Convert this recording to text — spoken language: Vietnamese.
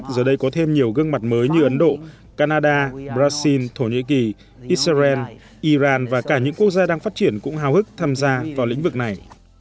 giờ đây có thêm nhiều gương mặt mới như ấn độ canada brazil thổ nhĩ kỳ israel iran và cả những quốc gia đang phát triển cũng hào hức tham gia vào lĩnh vực này